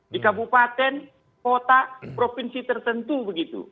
di kabupaten kota provinsi tertentu begitu